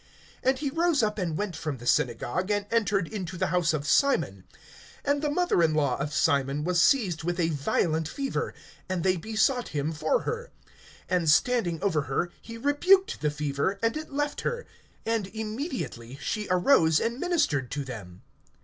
(38)And he rose up and went from the synagogue, and entered into the house of Simon. And the mother in law of Simon was seized with a violent fever[4:38]; and they besought him for her. (39)And standing over her he rebuked the fever, and it left her; and immediately she arose and ministered to them.